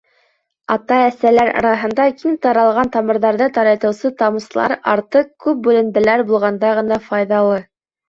Ата-әсәләр араһында киң таралған тамырҙарҙы тарайтыусы тамсылар артыҡ күп бүленделәр булғанда ғына файҙалы.